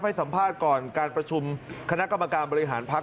ให้สัมภาษณ์ก่อนการประชุมคณะกรรมการบริหารพักษ